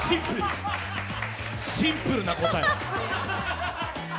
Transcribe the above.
シンプルな答え。